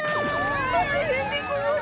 たいへんでごわす。